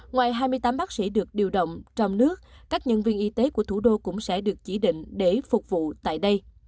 ngoài hai mươi tám bác sĩ được điều động trong nước các nhân viên y tế của thủ đô cũng sẽ được chỉ định để phục vụ tại đây